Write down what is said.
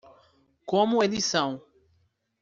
Como eles são?